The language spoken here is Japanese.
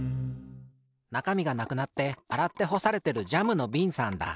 なかみがなくなってあらってほされてるジャムのびんさんだ。